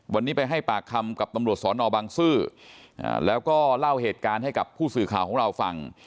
วันนี้ไปให้ปากคำกับตำรวจสอนอบังซื้อแล้วก็เล่าเหตุการณ์ให้กับผู้สื่อข่าวของเราฟัง